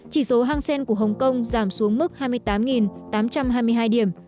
chỉ số hang sen của hồng kông giảm xuống mức hai mươi tám tám trăm hai mươi hai điểm